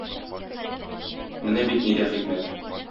Менә бит нидә хикмәт!